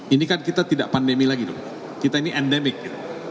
ini kan kita tidak pandemi lagi dong kita ini endemik gitu